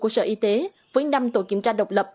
của sở y tế với năm tổ kiểm tra độc lập